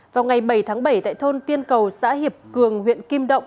vào ngày bảy tháng bảy tại thôn tiên cầu xã hiệp cường huyện kim động